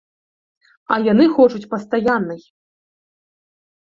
А яны хочуць пастаяннай.